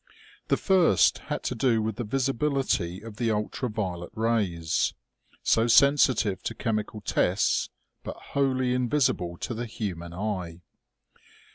The first had to do with the visibility of the ultra violet rays, so sensitive to chemical tests, but wholly invisible to the human eye.